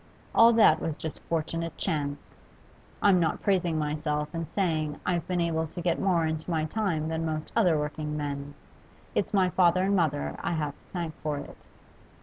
All that was just fortunate chance; I'm not praising myself in saying I've been able to get more into my time than most other working men; it's my father and mother I have to thank for it.